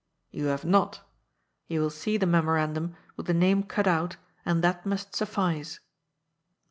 " You have not. You will see the memorandum, with the name cut out, and that must suffice.